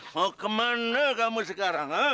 mau kemana kamu sekarang